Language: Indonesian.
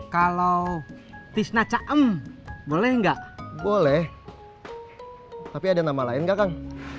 kalau itu gak kepanjangan kang